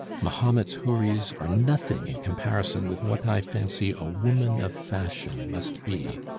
Mahomet's houris are nothing in comparison with what I fancy a woman of fashion must be.